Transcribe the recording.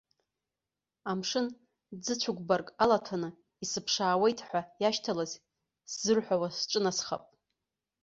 Амшын ӡыцәыкәбарк алаҭәаны, исыԥшаауеит ҳәа иашьҭалаз сзырҳәауа сҿынасхап.